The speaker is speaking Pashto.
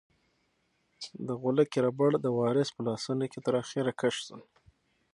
د غولکې ربړ د وارث په لاسونو کې تر اخره کش شو.